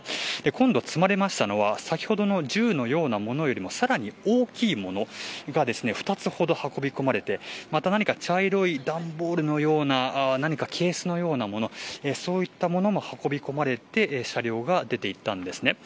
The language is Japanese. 今度、積まれたのは先ほどの銃のようなものよりもさらに大きいものが２つほど運び込まれてまた何か茶色い段ボールのようなそういったものも運び込まれて車両が出ていきました。